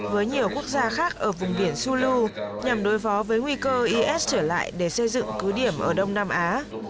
với nhiều quốc gia khác ở vùng biển sulu nhằm đối phó với nguy cơ is trở lại để xây dựng cứ điểm ở đông nam á